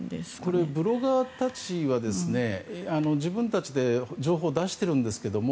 これ、ブロガーたちは自分たちで情報を出しているんですけれども。